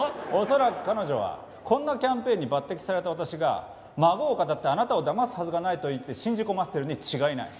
恐らく彼女は「こんなキャンペーンに抜擢された私が孫をかたってあなたをだますはずがない」と言って信じ込ませているに違いない。